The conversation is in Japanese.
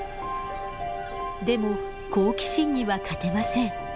でも好奇心には勝てません。